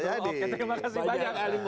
oke terima kasih banyak